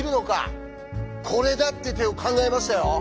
「これだ！」って手を考えましたよ。